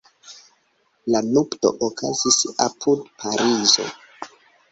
La nupto okazis apud Parizo.